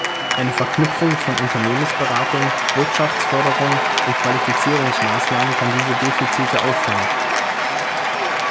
Eine Verknüpfung von Unternehmensberatung, Wirtschaftsförderung und Qualifizierungsmaßnahmen kann diese Defizite auffangen.